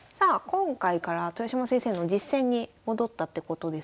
今回から豊島先生の実戦に戻ったってことですけれども。